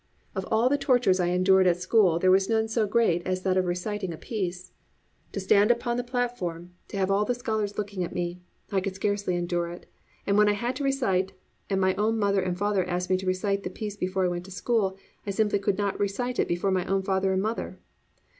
Of all the tortures I endured at school there was none so great as that of reciting a piece. To stand up on the platform and have all the scholars looking at me, I could scarcely endure it, and when I had to recite and my own mother and father asked me to recite the piece before I went to school, I simply could not recite it before my own father and mother.